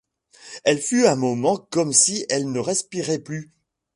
Elle fut un moment comme si elle ne respirait plus.